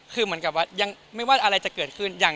คือเหมือนกับว่ายังไม่ว่าอะไรจะเกิดขึ้น